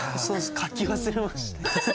書き忘れました。